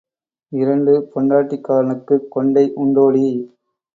இரண்டு பெண்டாட்டிக்காரனுக்குக் கொண்டை உண்டோடி?